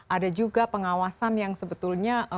ada juga pengawasan yang sebetulnya